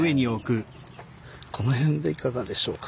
この辺でいかがでしょうか。